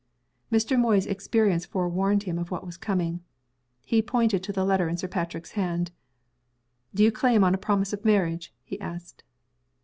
Mr. Moy's experience forewarned him of what was coming. He pointed to the letter in Sir Patrick's hand. "Do you claim on a promise of marriage?" he asked.